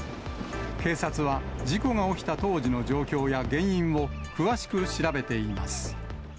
警察は、事故が起きた当時の状況や原因を詳しく調べています。